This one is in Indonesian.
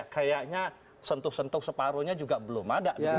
kayaknya sentuh sentuh separuhnya juga belum ada